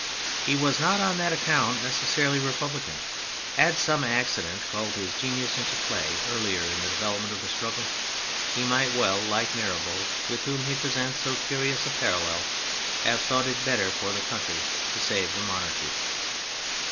He was not on that account necessarily republican. Had some accident called his genius into play earlier in the development of the struggle, he might well, like Mirabeau, with whom he presents so curious a parallel, have thought it better for the country to save the Monarchy.